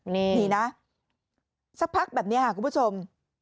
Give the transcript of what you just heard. นี่นะสักพักแบบนี้ค่ะคุณผู้ชม